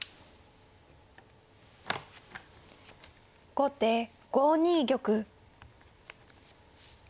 後手５二玉。